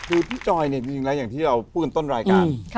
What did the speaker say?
คือพี่จอยเนี่ยจริงแล้วอย่างที่เราพูดกันต้นรายการ